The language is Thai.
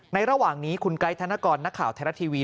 ระหว่างนี้คุณไกด์ธนกรนักข่าวไทยรัฐทีวี